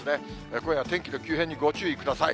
今夜、天気の急変にご注意ください。